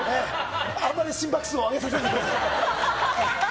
あまり心拍数を上げさせないでください。